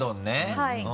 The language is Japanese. はい。